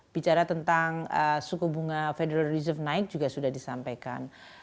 bicara tentang suku bunga federal reserve naik juga sudah disampaikan